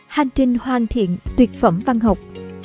hành trình hoàn thiện tuyệt phẩm văn học